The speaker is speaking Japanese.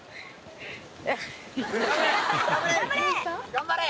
頑張れ！